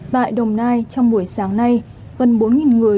tại đồng nai trong buổi sáng nay gần bốn người